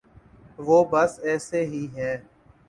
وہ بس ایسے ہی ہیں۔